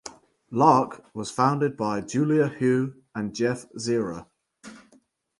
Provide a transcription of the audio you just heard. Lark was founded by Julia Hu and Jeff Zira.